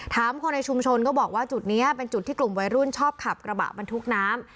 ถามคนในชุมชนก็บอกว่าจุดนี้เป็นจุดที่กลุ่มวัยรุ่นชอบขับกระบะบรรทุกน้ำ